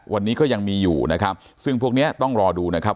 วันนี้ก็ยังมีอยู่นะครับซึ่งพวกเนี้ยต้องรอดูนะครับ